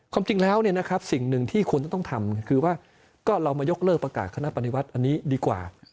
ความจริงแล้วสิ่งหนึ่งที่ควรจะต้องทำคือว่าก็เรามายกเลิกประกาศคณะปฏิวัติอันนี้ดีกว่า